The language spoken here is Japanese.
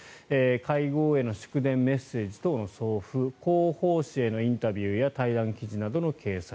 会合への祝電・メッセージ等の送付広報紙へのインタビューや対談記事などの掲載。